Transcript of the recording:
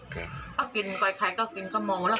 คนกินประจำวันนี้สัก๒๐๓๐กิโลกรัมเมา